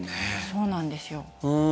そうなんですよ。